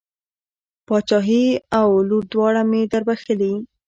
پاچهي او لور دواړه مې در بښلې.